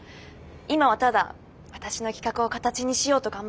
今はただ私の企画を形にしようと頑張っています。